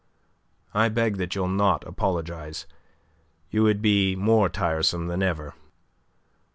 "I beg that you'll not apologize. You would be more tiresome than ever."